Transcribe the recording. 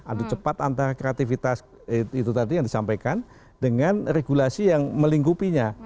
adu cepat antara kreativitas itu tadi yang disampaikan dengan regulasi yang melingkupinya